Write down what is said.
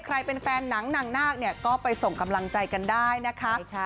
ใครเป็นแฟนหนังนาคเนี่ยก็ไปส่งกำลังใจกันได้นะคะ